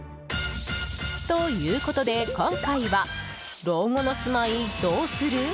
ということで、今回は老後の住まいどうする？